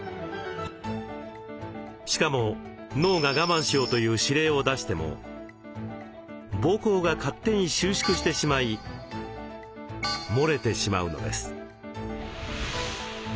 しかも脳が我慢しようという指令を出しても膀胱が勝手に収縮してしまいもれてしまうのです。